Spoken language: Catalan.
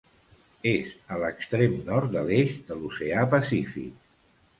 És a l'extrem nord de l'eix de l'oceà Pacífic.